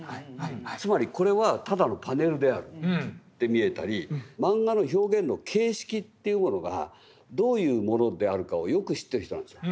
つまりこれはただのパネルであるって見えたりマンガの表現の形式というものがどういうものであるかをよく知ってる人なんですよ。